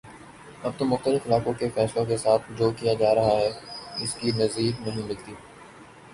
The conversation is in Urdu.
اب تو مختلف عدالتوں کے فیصلوں کے ساتھ جو کیا جا رہا ہے اس کی نظیر نہیں ملتی